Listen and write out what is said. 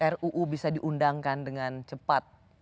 ruu bisa diundangkan dengan cepat